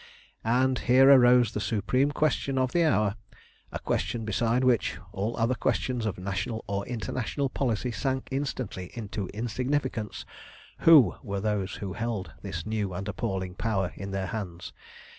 And here arose the supreme question of the hour a question beside which all other questions of national or international policy sank instantly into insignificance Who were those who held this new and appalling power in their hands?